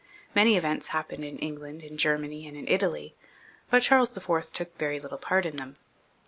Many events happened in England, in Germany, and in Italy, but Charles IV. took very little part in them.